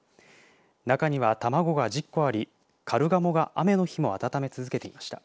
中には卵が１０個ありカルガモが雨の日も温め続けていました。